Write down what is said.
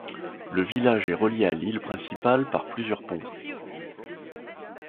Le village est relié à l'île principale par plusieurs ponts.